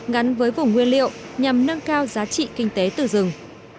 gắn với vùng nguyên liệu nhằm nâng cao giá trị kinh tế từ rừng